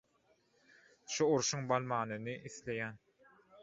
Şu urşuň bolmanyny isleýän.